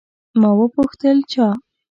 ما وپوښتل، چا؟